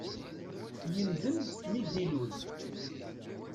Yendem mi d-ilul.